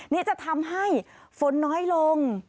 นี่จะทำให้ฝนน้อยลง